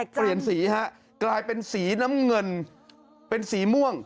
เปลี่ยนสีฮะกลายเป็นสีน้ำเงินเป็นสีม่วง